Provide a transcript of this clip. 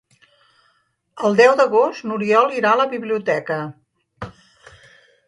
El deu d'agost n'Oriol irà a la biblioteca.